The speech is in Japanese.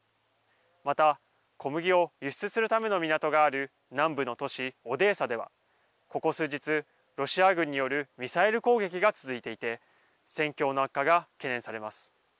また小麦を輸出するための港がある南部の都市オデーサではここ数日、ロシア軍によるミサイル攻撃が続いていて戦況の悪化が懸念されます。